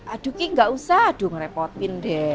aduh kiki gak usah aduh ngerepotin deh